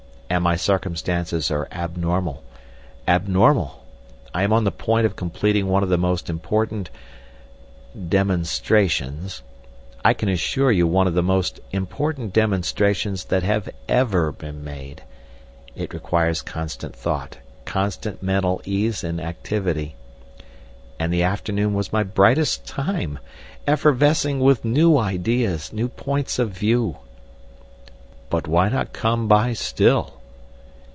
And my circumstances are abnormal—abnormal. I am on the point of completing one of the most important—demonstrations—I can assure you one of the most important demonstrations that have ever been made. It requires constant thought, constant mental ease and activity. And the afternoon was my brightest time!—effervescing with new ideas—new points of view." "But why not come by still?"